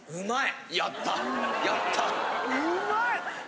うまい！